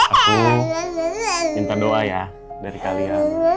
aku minta doa ya dari kalian